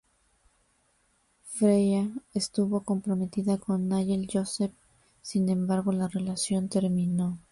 Freya estuvo comprometida con Nigel Joseph, sin embargo la relación terminó.